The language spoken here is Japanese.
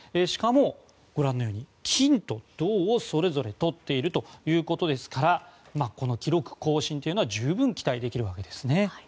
しかも、ご覧のように金と銅をそれぞれ取っているということですからこの記録更新というのは十分期待できるわけですね。